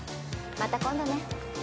また今度ね。